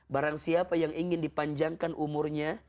barang siapa yang ingin dipanjangkan umurnya